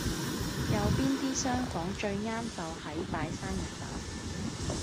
右邊啲廂房最啱就喺擺生日飯